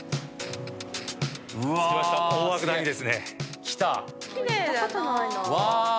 うわ！